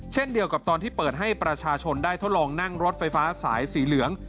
เช่นเดียวกับตอนที่เปิดให้ประชาชนได้ทดลองนั่งรถไฟฟ้าสายสีเหลือง